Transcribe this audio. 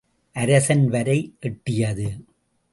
அரசன் வரை எட்டியது.